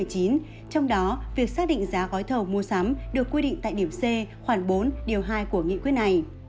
trong đó việc xác định giá gói thầu mua sắm được quy định tại điểm c khoảng bốn điều hai của nghị quyết này